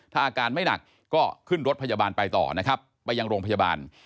ถ้าอาการไม่หนักก็ขึ้นรถพยาบาลไปต่อนะครับไปยังโรงพยาบาล